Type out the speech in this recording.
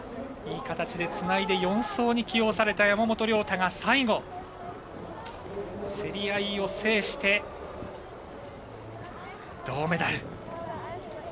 いい形でつないで４走に起用された山本涼太が最後競り合いを制して銅メダル。